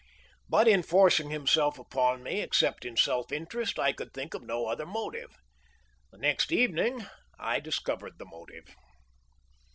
But in forcing himself upon me, except in self interest, I could think of no other motive. The next evening I discovered the motive.